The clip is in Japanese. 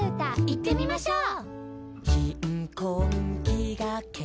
いってみましょう！